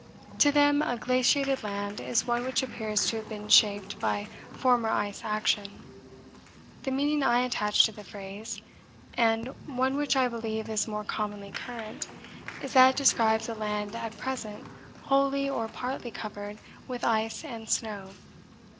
To them a 'glaciated land' is one which appears to have been shaped by former ice action. The meaning I attach to the phrase, and one which I believe is more commonly current, is that it describes a land at present wholly or partly covered with ice and snow.